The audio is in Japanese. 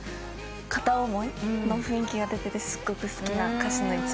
片思いの雰囲気が出ててすごく好きな歌詞の一部です。